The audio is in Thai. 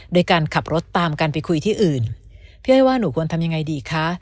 โดยการขับรถตามกันไปคุยที่อื่นพี่อ้อยว่าหนูควรทำยังไงดีคะ